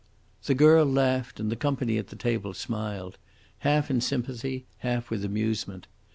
The girl laughed, and the company at the table smiled, half in sympathy, half with amusement.